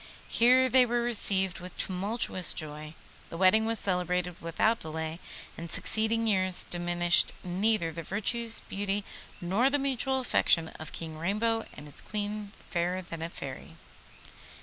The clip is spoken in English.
Here they were received with tumultuous joy. The wedding was celebrated without delay, and succeeding years diminished neither the virtues, beauty, nor the mutual affection of King Rainbow and his Queen, Fairer than a Fairy.